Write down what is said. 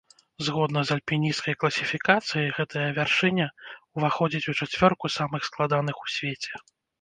Згодна з альпінісцкай класіфікацыяй, гэтая вяршыня ўваходзіць у чацвёрку самых складаных у свеце.